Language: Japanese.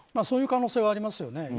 そういう可能性はありますよね。